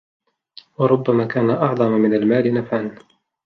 وَرُبَّمَا كَانَ أَعْظَمَ مِنْ الْمَالِ نَفْعًا